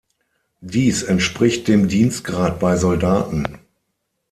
Dies entspricht dem Dienstgrad bei Soldaten.